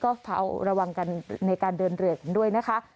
ก็เฝ้าระวังกันในการเดินเรือกันด้วยนะคะ